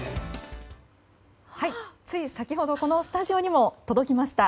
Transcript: つい先ほどこのスタジオにも届きました。